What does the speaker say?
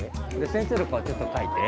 先生の顔ちょっと描いて。